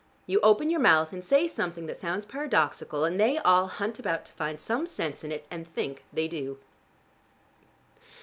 You open your mouth and say something that sounds paradoxical and they all hunt about to find some sense in it, and think they do."